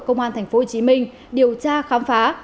công an tp hcm điều tra khám phá